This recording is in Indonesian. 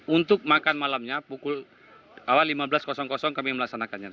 untuk makan malamnya pukul awal lima belas kami melaksanakannya